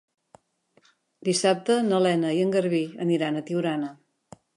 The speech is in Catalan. Dissabte na Lena i en Garbí aniran a Tiurana.